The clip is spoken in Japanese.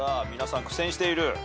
皆さん苦戦している。